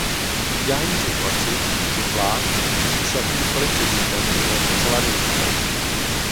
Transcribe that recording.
V ideální situaci by plášť i s jakýmkoli předmětem byl zcela neviditelný.